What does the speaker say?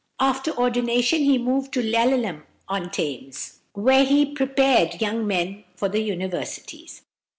After ordination he removed to Laleham on Thames, where he prepared young men for the universities.